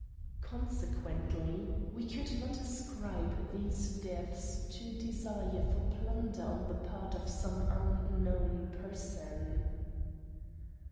Consequently, we could not ascribe these deaths to a desire for plunder on the part of some unknown person.